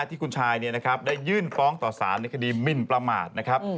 ที่คุณชายได้ยื่นฟ้องต่อสารในคดีหมินประมาทนะครับ